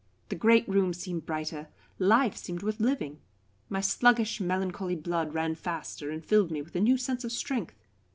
The great rooms seemed brighter, life seemed worth living; my sluggish, melancholy blood ran faster, and filled me with a new sense of strength.